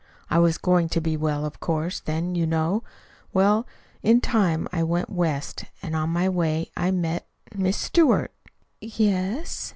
I was going to be well, of course, then, you know. Well, in time I went West, and on the way I met Miss Stewart." "Yes."